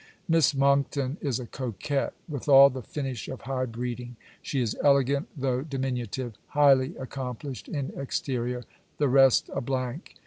Miss Monckton is a coquette, with all the finish of high breeding. She is elegant, though diminutive; highly accomplished in exterior: the rest a blank.